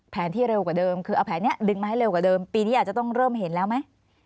ที่เร็วกว่าเดิมคือเอาแผนนี้ดึงมาให้เร็วกว่าเดิมปีนี้อาจจะต้องเริ่มเห็นแล้วไหม